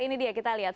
ini dia kita lihat